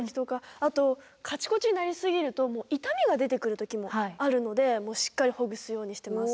あとカチコチになりすぎると痛みが出てくる時もあるのでしっかりほぐすようにしてます。